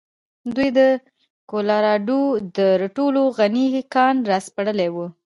دوی د کولراډو تر ټولو غني کان راسپړلی و.